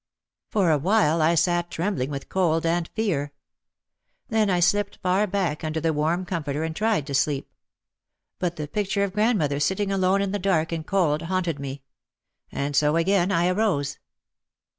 For a while I sat trembling with cold and fear. Then I slipped far back under the warm comforter and tried to sleep. But the picture of grand mother sitting alone in the dark and cold haunted me. And so again I arose.